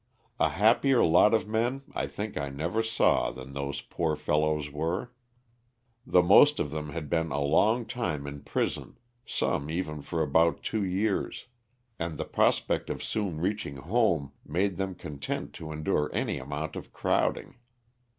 A happier lot of men I think I never saw than those poor fellows were. The most of them had been a. long time in prison, some even for about two years, and the pros pect of soon reaching home made them content to endure any amount of crowding.